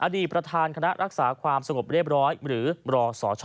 อดีตประธานคณะรักษาความสงบเรียบร้อยหรือรสช